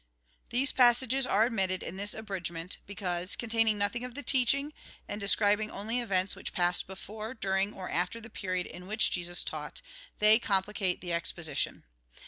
These passages are omitted in this abridgment, because, containing nothhig of the teaching, and describing only events which passed before, during, or after the period in which Jesus taught, they complicate the exposition.